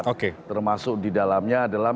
oke termasuk di dalamnya adalah